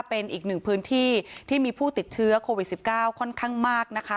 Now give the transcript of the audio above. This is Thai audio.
เป็นอีกหนึ่งพื้นที่ที่มีผู้ติดเชื้อโควิด๑๙ค่อนข้างมากนะคะ